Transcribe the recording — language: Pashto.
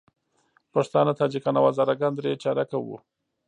پښتانه، تاجکان او هزاره ګان درې چارکه وو.